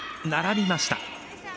並びました。